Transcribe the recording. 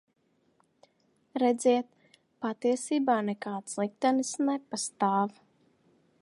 Redziet, patiesībā nekāds liktenis nepastāv.